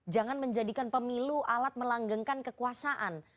jangan menjadikan pemilu alat melanggengkan kekuasaan